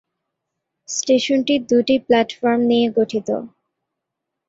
স্টেশনটি দুটি প্ল্যাটফর্ম নিয়ে গঠিত।